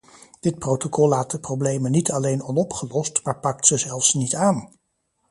Dit protocol laat de problemen niet alleen onopgelost maar pakt ze zelfs niet aan.